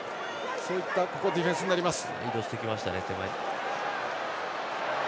そういったディフェンスになります。